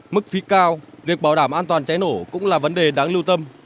mức phí cao việc bảo đảm an toàn cháy nổ cũng là vấn đề đáng lưu tâm